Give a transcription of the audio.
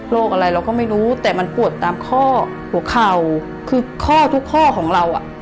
อะไรเราก็ไม่รู้แต่มันปวดตามข้อหัวเข่าคือข้อทุกข้อของเราอ่ะ